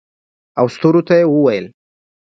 او ستورو ته یې وویل